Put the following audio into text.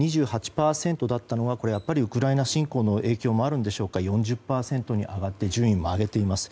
２８％だったのがウクライナ侵攻の影響もあるのでしょうか４０％に上がって順位を上げています。